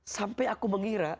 sampai aku mengira